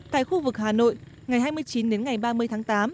tại khu vực hà nội ngày hai mươi chín đến ngày ba mươi tháng tám